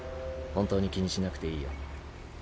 本当に気にしなくていいよ